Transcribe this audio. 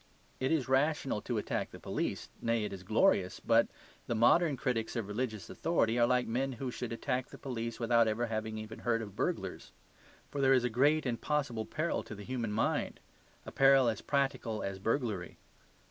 It is rational to attack the police; nay, it is glorious. But the modern critics of religious authority are like men who should attack the police without ever having heard of burglars. For there is a great and possible peril to the human mind: a peril as practical as burglary.